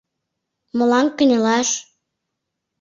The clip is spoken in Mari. — Молан кынелаш?